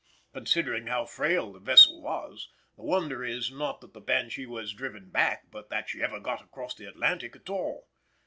Considering how frail the vessel was, the wonder is, not that the Banshee was driven back, but that she ever got across the Atlantic at all.